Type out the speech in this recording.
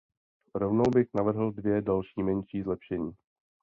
Rovnou bych navrhl dvě další menší zlepšení.